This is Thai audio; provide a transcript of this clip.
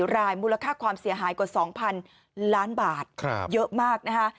รายมูลค่าความเสียหายกว่า๒๐๐๐ล้านบาทเยอะมากนะคะ